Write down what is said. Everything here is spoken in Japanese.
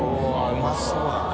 うまそうだね。